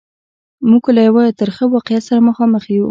موږ له یوه ترخه واقعیت سره مخامخ یو.